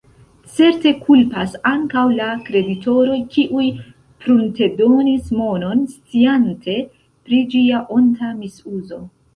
Certe kulpas ankaŭ la kreditoroj, kiuj pruntedonis monon, sciante pri ĝia onta misuzo.